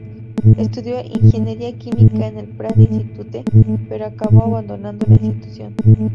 Estudió ingeniería química en el Pratt Institute, pero acabó abandonando la institución.